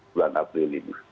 bulan april ini